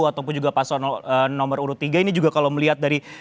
ataupun juga paslon nomor urut tiga ini juga kalau melihat dari